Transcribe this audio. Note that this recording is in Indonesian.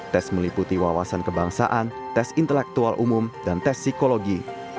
tes meliputi wawasan kebangsaan tes intelektual umum dan tes psikologi